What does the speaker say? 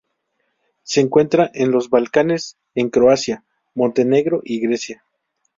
Se encuentra en los Balcanes en Croacia, Montenegro y Grecia.